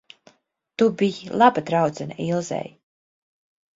Tu biji laba draudzene Ilzei.